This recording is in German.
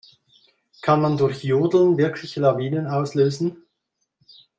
Kann man durch Jodeln wirklich Lawinen auslösen?